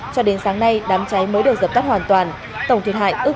cho đến sáng nay đám cháy mới được dập tắt hoàn toàn tổng thiệt hại ước tính hơn năm tỷ đồng